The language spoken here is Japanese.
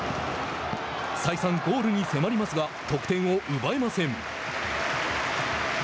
再三ゴールに迫りますが得点を奪えません。